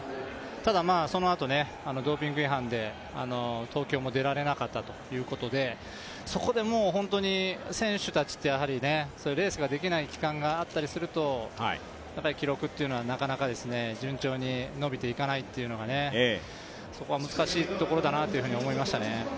ただ、そのあと、ドーピング違反で東京も出られなかったということでそこで選手たち、レースができない期間があったりするとやっぱり記録っていうのはなかなか順調に伸びていかないっていうそこは難しいところだなと思いましたね。